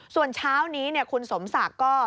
ส่วนเช้านี้คุณสมศักดิ์ก็